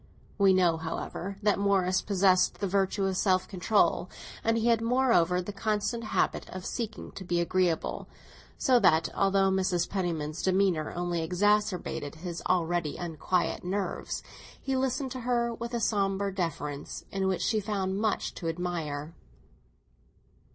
We know, however, that Morris possessed the virtue of self control, and he had, moreover, the constant habit of seeking to be agreeable; so that, although Mrs. Penniman's demeanour only exasperated his already unquiet nerves, he listened to her with a sombre deference in which she found much to admire.